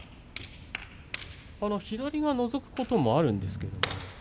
左がのぞくこともあるんですけどね。